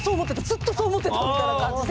ずっとそう思ってた！」みたいな感じで。